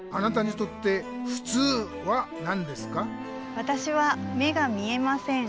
わたしは目が見えません。